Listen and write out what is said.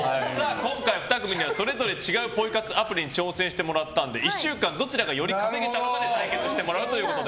今回２組にはそれぞれ違うポイ活アプリに挑戦してもらったので１週間どちらがより稼げたのか対決してもらうと。